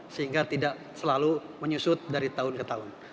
sehingga tidak selalu menyusut dari tahun ke tahun